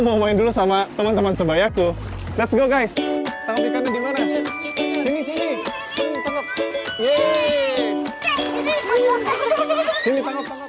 mau main dulu sama teman teman sebayaku let s go guys tapi karena di mana sini sini